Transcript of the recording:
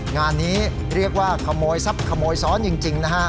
งานนี้เรียกว่าขโมยทรัพย์ขโมยซ้อนจริงนะฮะ